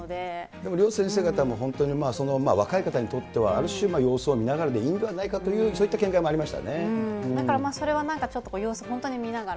でも両先生方も若い方にとってはある種、様子を見ながらでいいんではないかという、そういった見解もありだからそれは様子